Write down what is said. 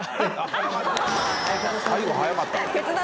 最後早かったな。